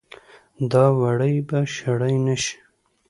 دا وړۍ به شړۍ نه شي